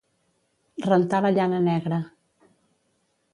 Rentar la llana negra.